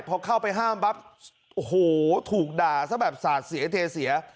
พอเข้าไปห้ามปั๊บโอ้โหถูกด่าซะแบบสาดเสียเทเสีย